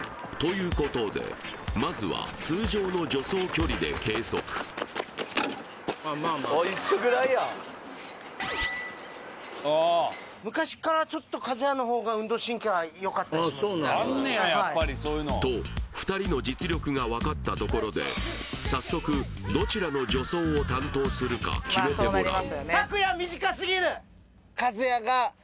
いうことでまずは通常の助走距離で計測と２人の実力が分かったところで早速どちらの助走を担当するか決めてもらう